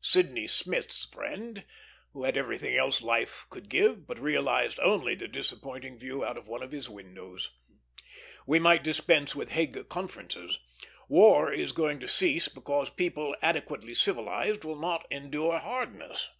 Sydney Smith's friend, who had everything else life could give, but realized only the disappointing view out of one of his windows? We might dispense with Hague Conferences. War is going to cease because people adequately civilized will not endure hardness.